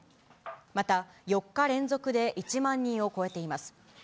また４日連続で１万人を超えています。